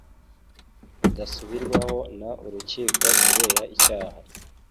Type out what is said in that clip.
budasubirwaho n urukiko kubera icyaha